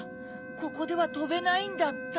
ここではとべないんだった。